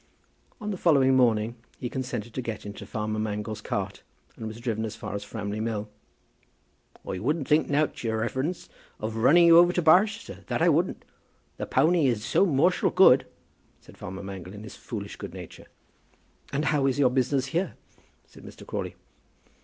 On the following morning he consented to get into farmer Mangle's cart, and was driven as far as Framley Mill. "I wouldn't think nowt, your reverence, of running you over into Barchester, that I wouldn't. The powny is so mortial good," said farmer Mangle in his foolish good nature. [Illustration: Farmer Mangle and Mr. Crawley.] "And how about your business here?" said Mr. Crawley.